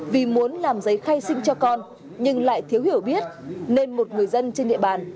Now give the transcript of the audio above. vì muốn làm giấy khai sinh cho con nhưng lại thiếu hiểu biết nên một người dân trên địa bàn